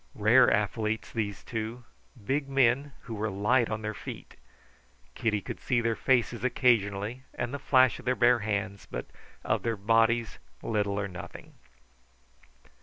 Rare athletes, these two; big men who were light on their feet. Kitty could see their faces occasionally and the flash of their bare hands, but of their bodies little or nothing.